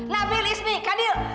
nabil ismi kadil